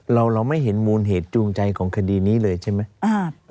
เราไม่เห็นมูลเหตุจูงใจของคดีนี้เลยใช่ไหม